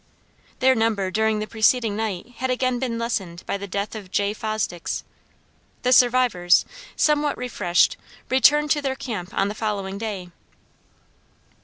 Their number during the preceding night had again been lessened by the death of Jay Fosdicks. The survivors, somewhat refreshed, returned to their camp on the following day.